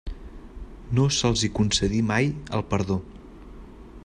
No se'ls hi concedí mai el perdó.